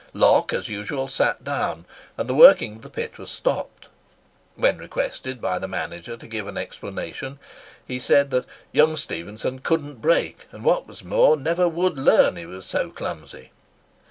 Locke, as usual, sat down, and the working of the pit was stopped. When requested by the manager to give an explanation, he said that "young Stephenson couldn't brake, and, what was more, never would learn, he was so clumsy."